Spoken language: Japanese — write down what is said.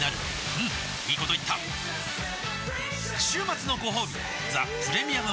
うんいいこと言った週末のごほうび「ザ・プレミアム・モルツ」